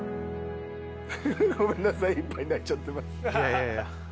ごめんなさいいっぱい泣いちゃってます。